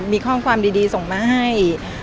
มีข้อความดีส่งมาให้